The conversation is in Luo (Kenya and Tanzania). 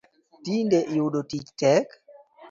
Tinde yudo tich tek